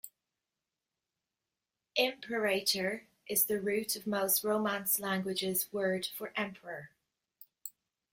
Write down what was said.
"Imperator" is the root of most Romance languages' word for emperor.